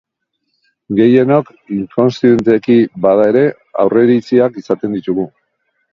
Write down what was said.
Gehienok, inkonszienteki bada ere, aurreiritziak izaten ditugu.